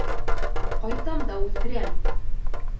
Ҡайтам да үлтерәм!